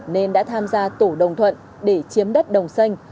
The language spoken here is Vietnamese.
nên đã tham gia tủ đồng thuận để chiếm đất đồng xanh